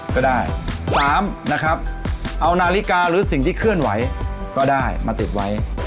ก็ได้๓นะครับเอานาฬิกาหรือสิ่งที่เคลื่อนไหวก็ได้มาติดไว้